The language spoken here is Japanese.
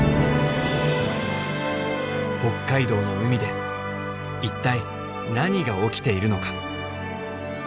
北海道の海で一体何が起きているのか？